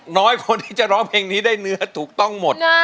น้อยคนที่จะร้องเพลงนี้ได้เนื้อถูกต้องหมด